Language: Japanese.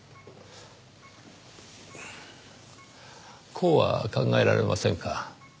こうは考えられませんか？